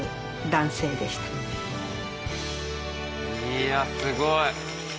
いやすごい。